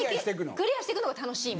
クリアしてくのが楽しい。